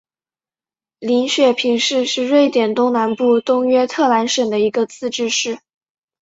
林雪平市是瑞典东南部东约特兰省的一个自治市。